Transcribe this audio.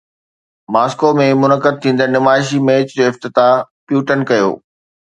Moscow ۾ منعقد ٿيندڙ نمائشي ميچ جو افتتاح پيوٽن ڪيو